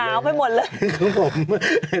นาวไปหมดเลย